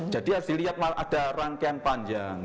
jadi harus dilihat ada rangkaian panjang